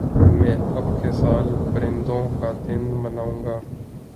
میں اب کے سال پرندوں کا دن مناؤں گا